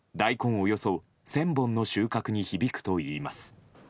およそ１０００本の収穫に響くといいます。